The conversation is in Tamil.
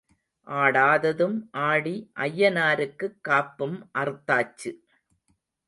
ஆடாததும் ஆடி ஐயனாருக்குக் காப்பும் அறுத்தாச்சு.